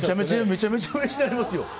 めちゃめちゃうれしなりますよ。